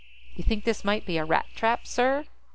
"You think this might be a Rat trap, sir?"